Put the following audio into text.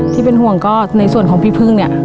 ที่เป็นห่วงก็ในส่วนของพี่พึ่งเนี่ย